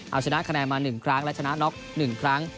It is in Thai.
เอาชนะคะแนนมาหนึ่งครั้งและชนะน็อกหนึ่งครั้ง